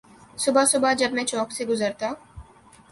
صبح صبح جب میں چوک سے گزرتا